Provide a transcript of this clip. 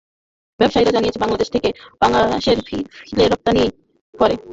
ব্যবসায়ীরা জানিয়েছেন, বাংলাদেশ থেকে পাঙাশের ফিলে রপ্তানি করে এখন প্রতিযোগিতায় টেকা যাবে।